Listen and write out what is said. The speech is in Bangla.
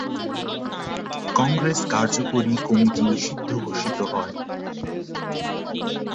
কংগ্রেস কার্যকরী কমিটি নিষিদ্ধ ঘোষিত হয়।